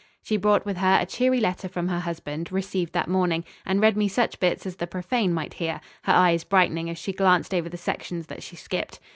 She brought with her a cheery letter from her husband, received that morning, and read me such bits as the profane might hear, her eyes brightening as she glanced over the sections that she skipped.